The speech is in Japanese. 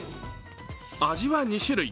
味は２種種類。